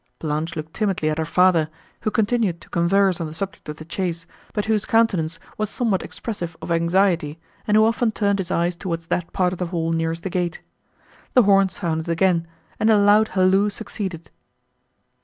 Blanche looked timidly at her father, who continued to converse on the subject of the chace, but whose countenance was somewhat expressive of anxiety, and who often turned his eyes towards that part of the hall nearest the gate. The horn sounded again, and a loud halloo succeeded.